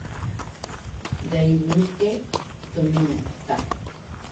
Daisuke Tomita